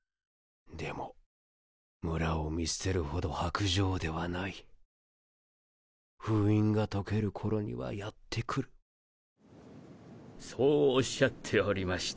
でも村を見捨てるほど薄情ではない封印が解ける頃にはやって来るそうおっしゃっておりました。